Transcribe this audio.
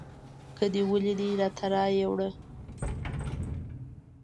که دې ولیدی راته رایې وړه